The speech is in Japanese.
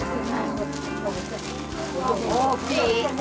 大きい。